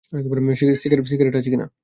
Cigarette আছে কী?